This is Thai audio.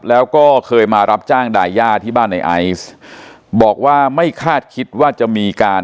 แล้วก็เคยมารับจ้างดายาที่บ้านในไอซ์บอกว่าไม่คาดคิดว่าจะมีการ